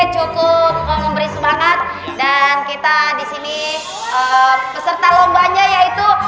cukup memberi semangat dan kita disini peserta lombanya yaitu